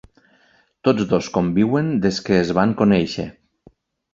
Tots dos conviuen des que es van conèixer.